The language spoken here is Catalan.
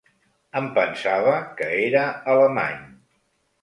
Em pensava que era alemany.